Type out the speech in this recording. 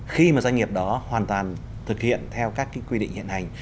khi mà doanh nghiệp đó hoàn toàn thực hiện theo các quy định hiện hành